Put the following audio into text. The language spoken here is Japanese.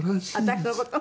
私の事？